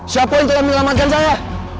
siapa yang tidak menyelamatkan saya